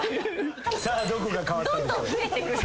さあどこが変わったでしょう？